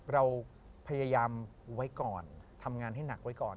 เราพยายามไว้ก่อนทำงานให้หนักไว้ก่อน